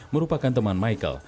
merupakan teman michael